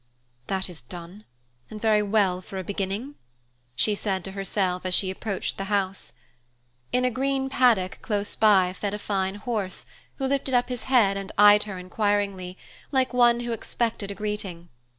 "That is done, and very well for a beginning," she said to herself as she approached the house. In a green paddock close by fed a fine horse, who lifted up his head and eyed her inquiringly, like one who expected a greeting.